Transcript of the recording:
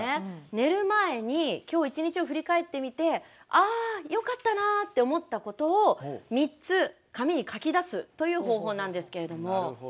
寝る前に今日１日を振り返ってみてああよかったなって思ったことを３つ紙に書き出すという方法なんですけれども。